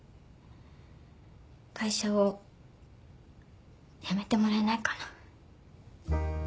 会社を辞めてもらえないかな？